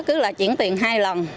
cứ là chuyển tiền hai lần